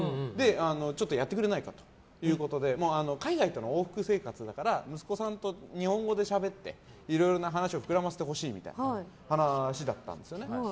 ちょっとやってくれないかということで海外との往復生活だから息子さんと日本語でしゃべっていろいろ話を膨らませてほしいみたいな話だったんですよね。